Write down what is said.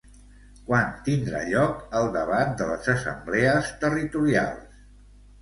Quan tindrà lloc el debat de les assemblees territorials?